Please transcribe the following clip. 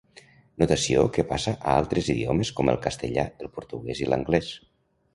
Notació que passà a altres idiomes com el castellà, el portuguès i l'anglès.